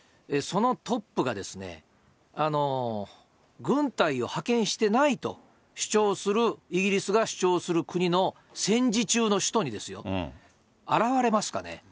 そのトップが軍隊を派遣してないと主張する、イギリスが主張する国の戦時中の首都に現れますかね？